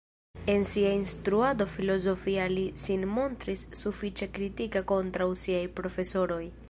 En sia instruado filozofia li sin montris sufiĉe kritika kontraŭ siaj profesoroj.